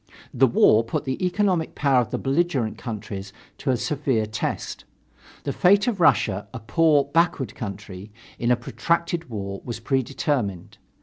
The war put the economic power of the belligerent countries to a severe test. The fate of Russia, a poor, backward country, in a protracted war was predetermined.